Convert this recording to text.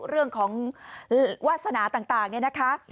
เรื่องของวาสนาต่างเนี่ยนะคะ